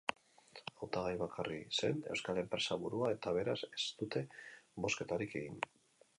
Hautagai bakarra zen euskal enpresaburua eta, beraz, ez dute bozketarik egin.